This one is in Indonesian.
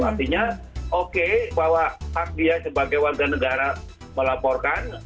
artinya oke bahwa hak dia sebagai warga negara melaporkan